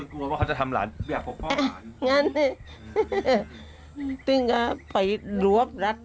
ก็คือกลัวว่าจะทำลานว่าจะหลวบพ่อหลาน